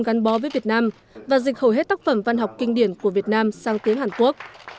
gắn bó với việt nam và dịch hầu hết tác phẩm văn học kinh điển của việt nam sang tiếng hàn quốc